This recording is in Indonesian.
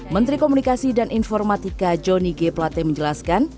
menteri komunikasi dan informatika johnny g plate menjelaskan